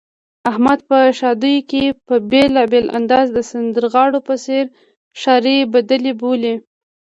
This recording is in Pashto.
احمد په ښادیو کې په بېل انداز د سندرغاړو په څېر ښاري بدلې بولي.